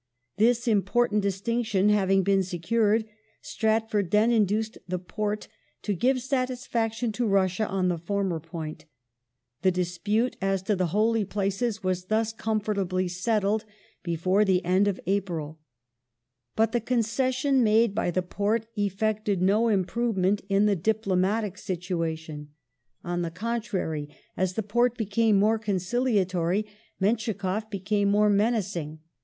This impoi tant distinction having been secured Stratford then induced the Porte to give satisfaction to Russia on the fonner point The dispute as to the Holy Places was thus comfortably settled before the end of April. But the concession made by the Porte effected no improvement in the diplomatic situation. On the contrai y, as '(^.K.L. ii. 532 539 b55] PALMERSTON'S POLICY S21 the Porte became more conciliatory, MenschikofF became more menacing.